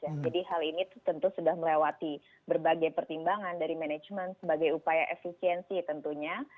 jadi hal ini tentu sudah melewati berbagai pertimbangan dari manajemen sebagai upaya efisiensi tentunya